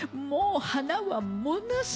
もう花はもの